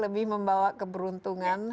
lebih membawa keberuntungan